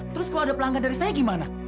terus kalau ada pelanggan dari saya gimana